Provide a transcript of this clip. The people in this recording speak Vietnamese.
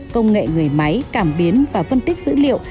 công nghệ người máy cảm biến và phân tích dữ liệu